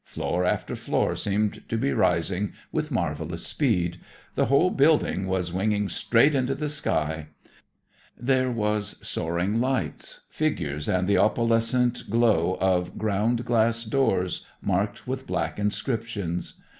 Floor after floor seemed to be rising with marvelous speed; the whole building was winging straight into the sky. There was soaring lights, figures and the opalescent glow of ground glass doors marked with black inscriptions.